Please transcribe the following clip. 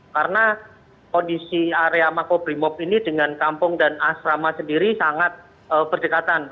karena kondisi area makobrimop ini dengan kampung dan asrama sendiri sangat berdekatan